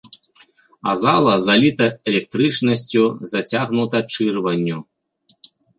А зала заліта электрычнасцю, зацягнута чырванню.